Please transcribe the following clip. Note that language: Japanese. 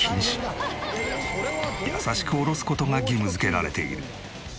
優しく下ろす事が義務づけられている。